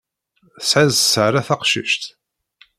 Tesɛiḍ sser a taqcict.